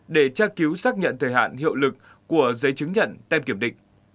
để tra cứu xác nhận thời hạn hiệu lực của giấy chứng nhận tem kiểm định